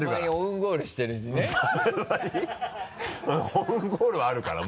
オウンゴールはあるかな？